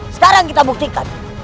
sekarang kita buktikan